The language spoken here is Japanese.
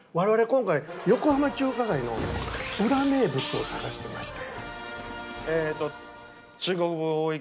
今回横浜中華街の裏名物を探してまして。